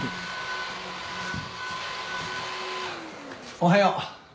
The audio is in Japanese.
・おはよう。